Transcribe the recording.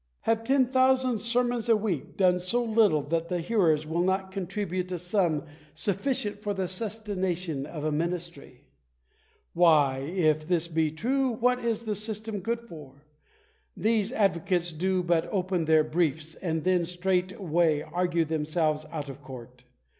Have ten thousand sermons a week done so little that the hearers will not contribute a sum sufficient for the sustenta tion of a ministry ? Why, if this be true, what is the system good for ? These advocates do but open their briefs, and then straightway argue themselves out of court.